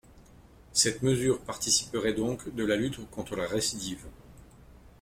Cette mesure participerait donc de la lutte contre la récidive.